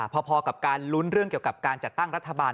พอกับการลุ้นเรื่องเกี่ยวกับการจัดตั้งรัฐบาล